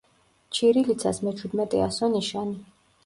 ჩირილიცას მეჩვიდმეტე ასო-ნიშანი.